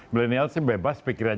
milenial sih bebas pikir